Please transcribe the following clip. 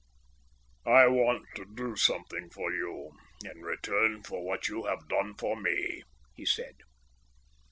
"I want to do something for you in return for what you have done for me," he said.